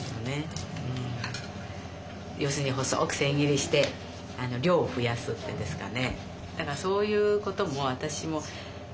要するに細く千切りして量を増やすってですかね。